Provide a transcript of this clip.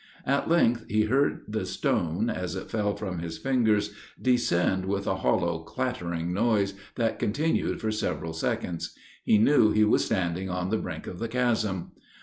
At length he heard the stone, as it fell from his fingers, descend with a hollow, clattering noise, that continued for several seconds. He knew he was standing on the brink of the chasm.